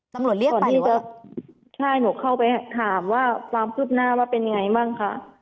ตำรวจเรียกไปใช่หนูเข้าไปถามว่าความคืบหน้าว่าเป็นยังไงบ้างค่ะ